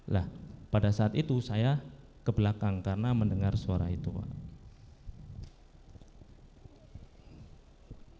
lah pada saat itu saya kebelakang karena mendengar suara perangkat suara itu